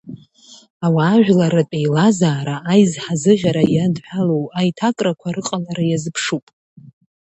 Ауаажәларратә еилазаара аизҳазыӷьара иадҳәалоу аиҭакрақәа рыҟалара иазыԥшуп.